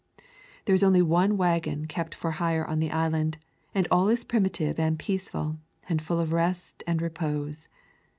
There is only one wagon kept for hire on the island, and all is primitive and peaceful and full of rest and repose.